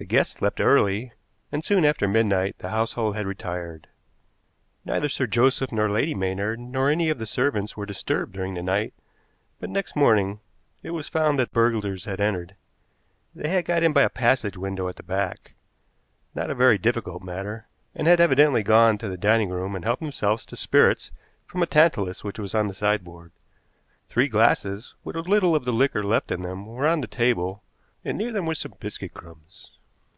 The guests left early, and soon after midnight the household had retired. Neither Sir Joseph nor Lady Maynard nor any of the servants were disturbed during the night, but next morning it was found that burglars had entered. They had got in by a passage window at the back not a very difficult matter and had evidently gone to the dining room and helped themselves to spirits from a tantalus which was on the sideboard. Three glasses, with a little of the liquor left in them, were on the table, and near them were some biscuit crumbs.